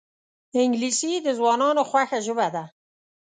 انګلیسي د ځوانانو خوښه ژبه ده